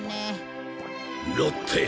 ロッテよ。